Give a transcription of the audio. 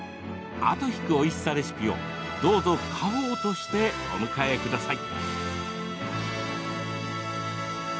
あと引くおいしさレシピをどうぞ家宝としてお迎えください。